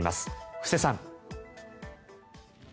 布施さん。